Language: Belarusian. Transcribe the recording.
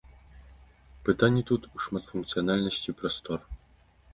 Пытанне тут у шматфункцыянальнасці прастор.